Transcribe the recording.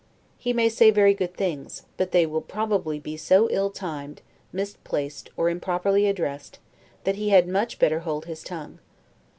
He may say very good things; but they will probably be so ill timed, misplaced, or improperly addressed, that he had much better hold his tongue.